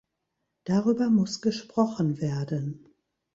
Darüber muss gesprochen werden.